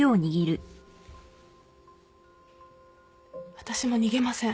私も逃げません。